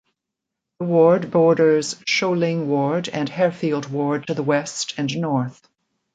The ward borders Sholing Ward and Harefield Ward to the west and north.